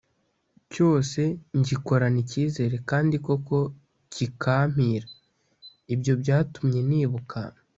cyose ngikorana ikizere, kandi koko kikampira. Ibyo byatumye nibuka